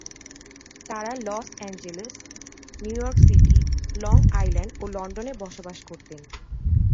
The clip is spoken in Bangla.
তারা Los Angeles, New York City, Long Island ও লন্ডনে বসবাস করতেন।